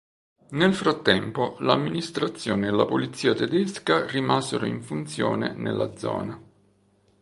Nel frattempo, l'amministrazione e la polizia tedesca rimasero in funzione nella zona.